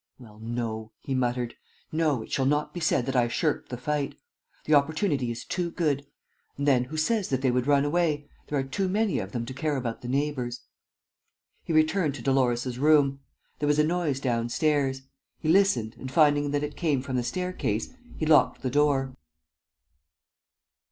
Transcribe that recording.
"Well, no," he muttered, "no! It shall not be said that I shirked the fight. The opportunity is too good. ... And, then, who says that they would run away! ... There are too many of them to care about the neighbors." He returned to Dolores' room. There was a noise downstairs. He listened and, finding that it came from the staircase, he locked the door.